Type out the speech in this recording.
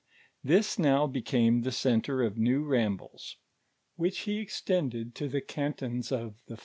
This now became the centre of new ramblee^ which he extended to the cantons of the ■t'